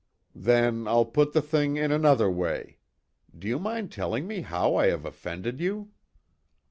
"Then I'll put the thing in another way do you mind telling me how I have offended you?"